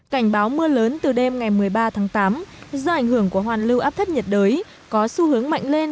cảnh báo mưa lớn từ đêm ngày một mươi ba tháng tám do ảnh hưởng của hoàn lưu áp thấp nhiệt đới có xu hướng mạnh lên